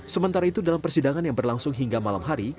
sementara itu dalam persidangan yang berlangsung hingga malam hari